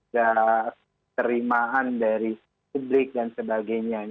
dan terimaan dari publik dan sebagainya